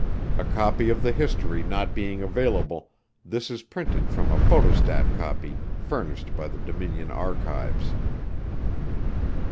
A copy of the history not being available, this is printed from a photostat copy furnished by the Dominion archives.